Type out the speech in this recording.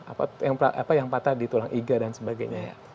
apa yang patah di tulang iga dan sebagainya ya